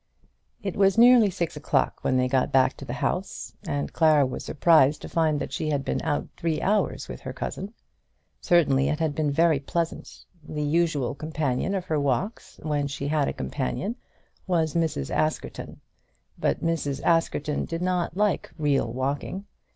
It was nearly six o'clock when they got back to the house, and Clara was surprised to find that she had been out three hours with her cousin. Certainly it had been very pleasant. The usual companion of her walks, when she had a companion, was Mrs. Askerton; but Mrs. Askerton did not like real walking.